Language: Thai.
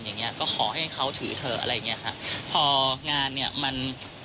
อย่างเงี้ยก็ขอให้เขาถือเถอะอะไรอย่างเงี้ยค่ะพองานเนี้ยมัน